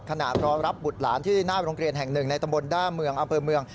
รอรับบุตรหลานที่หน้าโรงเรียนแห่งหนึ่งในตำบลด้าเมืองอำเภอเมือง